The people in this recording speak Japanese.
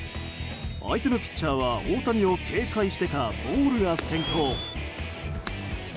相手のピッチャーは大谷を警戒してかボールが先行。